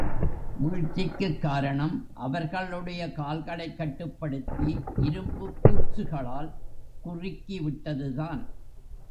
வீழ்ச்சிக்குக் காரணம் அவர்களுடைய கால்களைக் கட்டுப்படுத்தி இரும்பு பூட்சுகளால் குறிக்கிவிட்டதுதான்.